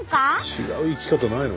違う行き方ないの？